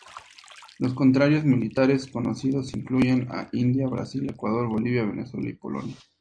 Los contratos militares conocidos incluyen a India, Brasil, Ecuador, Bolivia, Venezuela y Polonia.